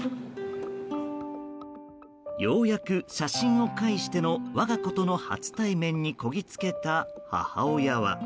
ようやく、写真を介しての我が子との初対面にこぎつけた母親は。